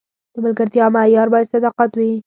د ملګرتیا معیار باید صداقت وي.